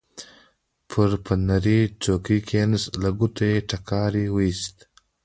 پر فنري څوکۍ کېناست، له ګوتو یې ټکاری وایست.